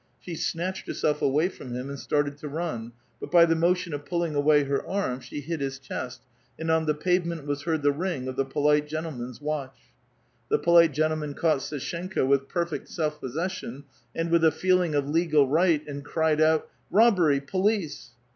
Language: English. She snatched herself away from him and started to run ; but by the motion of pulling away her arm, she hit his chest, and on the pavement was heard the ring of the polite gentleman's watch. The polite gentleman caught S&shenka with perfect self possession, and with a feeling of legal right, and cried out, "Robbery! police!"